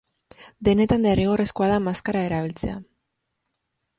Denetan derrigorrezkoa da maskara erabiltzea.